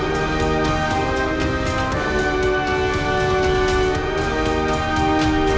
โปรดติดตามต่อไป